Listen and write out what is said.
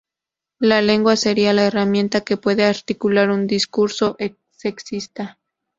La lengua sería la herramienta que puede articular un discurso sexista.